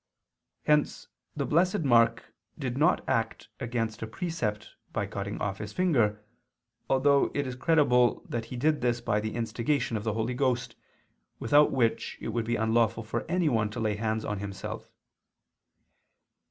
Hence the Blessed Mark did not act against a precept by cutting off his finger, although it is credible that he did this by the instigation of the Holy Ghost, without which it would be unlawful for anyone to lay hands on himself.